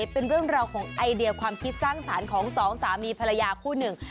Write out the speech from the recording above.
เป็นเรื่องราวของไอเดียความคิดสร้างสรรค์ของสองสามีภรรยาคู่หนึ่ง